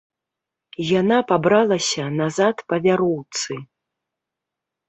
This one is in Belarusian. Яна пабралася назад па вяроўцы.